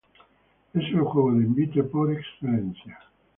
Es el juego de envite por excelencia.